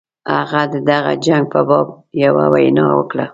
هغه د دغه جنګ په باب یوه وینا وکړه.